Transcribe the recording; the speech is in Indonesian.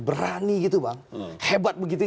berani gitu bang hebat begitu